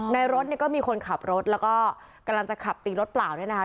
ในรถเนี้ยก็มีคนขับแล้วก็กำลังจะขับทีรถเปล่าได้นะคะ